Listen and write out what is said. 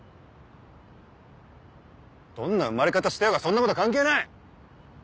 どんな生まれ方してようがそんなことは関係ない！